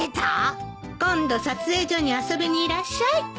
今度撮影所に遊びにいらっしゃいって。